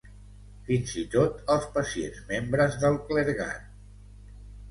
Fins i tot els pacients membres del clergat.